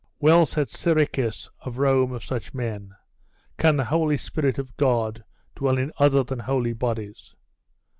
Well said Siricius of Rome of such men "Can the Holy Spirit of God dwell in other than holy bodies?"